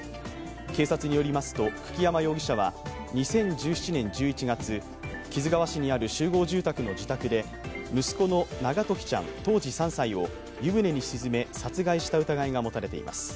警察によりますと久木山容疑者は２０１７年１１月木津川市にある集合住宅の自宅で息子の永時ちゃん当時３歳を湯船に沈め殺害した疑いが持たれています。